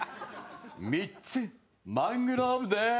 ミッツ・マングローブです。